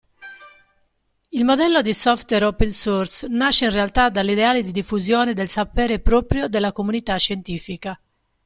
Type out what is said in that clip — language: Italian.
Il modello di software open source nasce in realtà dall'ideale di diffusione del sapere proprio della comunità scientifica.